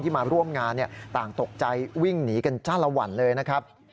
มาร่วมงานต่างตกใจวิ่งหนีกันจ้าละวันเลยนะครับ